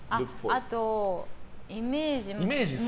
あと、イメージ。